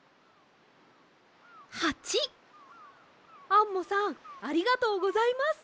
アンモさんありがとうございます！